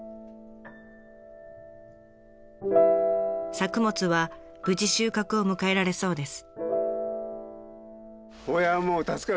作物は無事収穫を迎えられそうです。